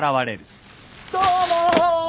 どうも！